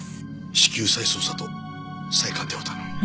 至急再捜査と再鑑定を頼む。